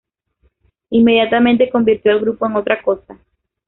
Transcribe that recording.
Inmediatamente convirtió al grupo en otra cosa.